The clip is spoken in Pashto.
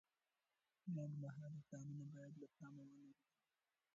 لنډمهاله پلانونه باید له پامه ونه غورځوو.